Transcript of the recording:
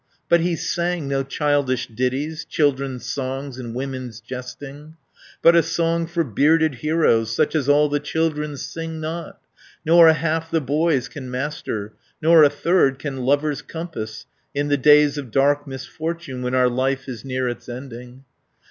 But he sang no childish ditties, Children's songs and women's jesting, But a song for bearded heroes, Such as all the children sing not, 290 Nor a half the boys can master, Nor a third can lovers compass, In the days of dark misfortune, When our life is near its ending.